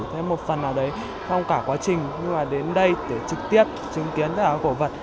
thấy một phần nào đấy không cả quá trình nhưng mà đến đây để trực tiếp chứng kiến tất cả các cổ vật